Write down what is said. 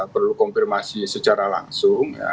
perlu konfirmasi secara langsung